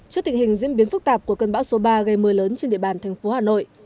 trước tình hình diễn biến phức tạp của cơn bão số ba gây mưa lớn trên địa bàn thành phố hà nội